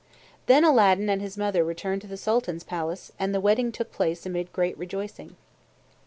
Then Aladdin and his mother returned to the Sultan's palace, and the wedding took place amid great rejoicing.